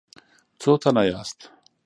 څو تنه یاست؟